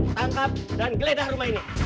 tangkap dan geledah rumah ini